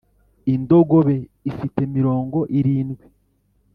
indogobe ifite mirongo irindwi